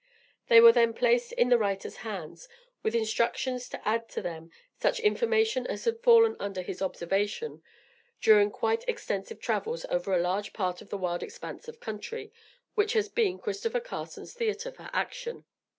They were then placed in the writer's hands, with instructions to add to them such information as had fallen under his observation, during quite extensive travels over a large part of the wide expanse of country, which has been Christopher Carson's theatre for action.